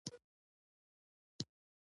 دا ماشوم نقاشي کوي.